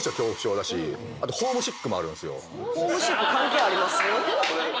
ホームシック関係あります？